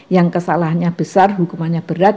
yang kesalahannya besar hukumannya berat